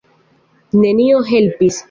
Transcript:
Nenio helpis.